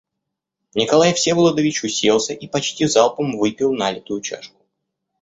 Николай Всеволодович уселся и почти залпом выпил налитую чашку.